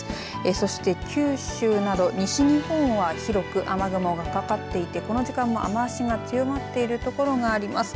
そして九州など西日本は広く雨雲がかかっていてこの時間も雨足が強まっているところがあります。